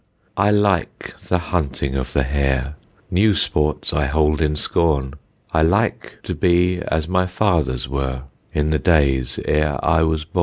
I like the hunting of the hare; New sports I hold in scorn. I like to be as my fathers were, In the days e'er I was born.